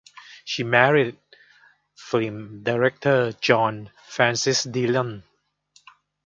She married film director John Francis Dillon.